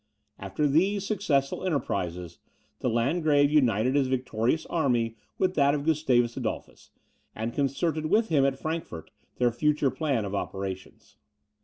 After these successful enterprises, the Landgrave united his victorious army with that of Gustavus Adolphus, and concerted with him at Frankfort their future plan of operations.